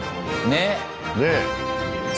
ねえ。